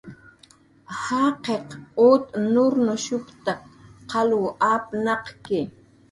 "Jaqiq ut nurnushp""tak qalw apnaq""ki "